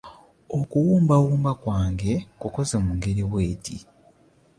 Okuwumbawumba kwange nkukoze mu ngeri bw'eti: